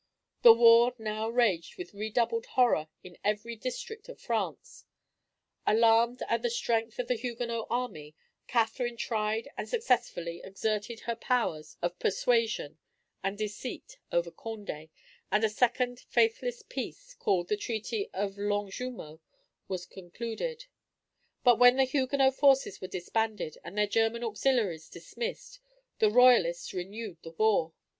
The war now raged with redoubled horror in every district of France. Alarmed at the strength of the Huguenot army, Catherine tried and successfully exerted her powers of persuasion and deceit over Condé, and a second faithless peace, called the treaty of Longjumeau, was concluded; but when the Huguenot forces were disbanded, and their German auxiliaries dismissed, the Royalists renewed the war.